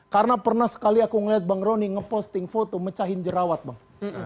karena pernah sekali aku ngeliat bang roni ngeposting foto mecahin jerawat bang